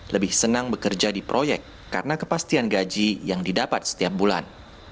lebih senang bekerja di proyek karena kepastian gaji yang didapat setiap bulan